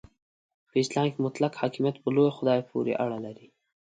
په اسلام کې مطلق حاکمیت په لوی خدای پورې اړه لري.